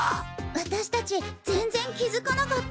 私達全然気付かなかった。